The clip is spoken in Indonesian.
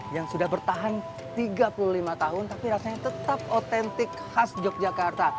yang sudah bertahan tiga puluh lima tahun tapi rasanya tetap otentik khas yogyakarta